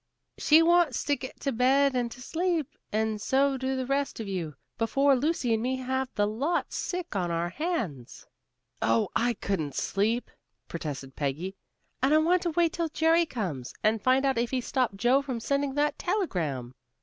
"She wants to get to bed and to sleep, and so do the rest of you, before Lucy and me have the lot sick on our hands." "Oh, I couldn't sleep," protested Peggy, "and I want to wait till Jerry comes, and find out if he stopped Joe from sending that telegram."